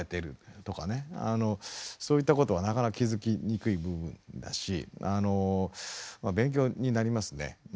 そういったことはなかなか気付きにくい部分だし勉強になりますね。